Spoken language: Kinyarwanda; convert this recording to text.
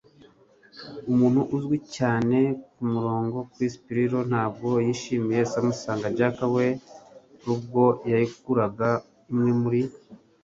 Umuntu uzwi cyane kumurongo Chris Pirillo ntabwo yishimiye Samsung Jack we ubwo yaguraga imwe muri .